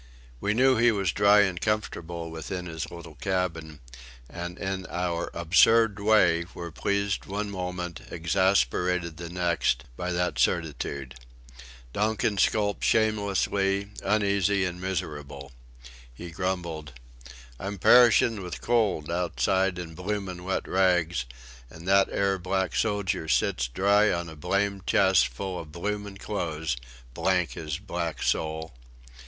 We knew he was dry and comfortable within his little cabin, and in our absurd way were pleased one moment, exasperated the next, by that certitude. Donkin skulked shamelessly, uneasy and miserable. He grumbled: "I'm perishin' with cold outside in bloomin' wet rags, an' that 'ere black sojer sits dry on a blamed chest full of bloomin' clothes; blank his black soul!"